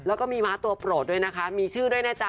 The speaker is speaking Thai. แล้วก็มีม้าตัวโปรดด้วยนะคะมีชื่อด้วยนะจ๊